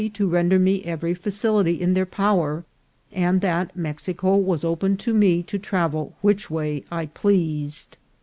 to render me every facility in their power, and that Mexico was open to me to travel which way I pleased.